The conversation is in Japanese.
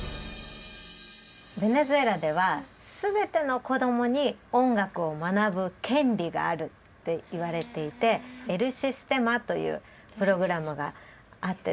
ベネズエラでは全ての子どもに音楽を学ぶ権利があるっていわれていて「エル・システマ」というプログラムがあってですね